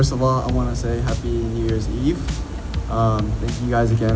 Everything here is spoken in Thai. ยินดีตอนหน้าขอที่ต้องบอกพระมงัดใกล้